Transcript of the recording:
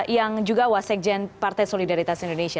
yang juga wasekjen partai solidaritas indonesia